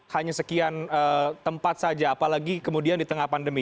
hanya sekian tempat saja apalagi kemudian di tengah pandemi